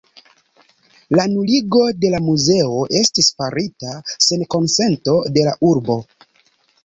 La nuligo de la muzeo estis farita sen konsento de la urbo.